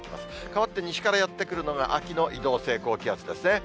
かわって西からやって来るのが秋の移動性高気圧ですね。